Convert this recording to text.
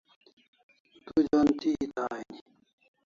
Du j'on thi eta aini